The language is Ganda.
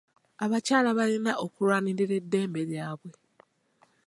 Abakyala balina okulwanirira eddembe lyabwe.